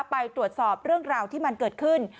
ไปตรวจสอบเรื่องราวที่มันเกิดขึ้น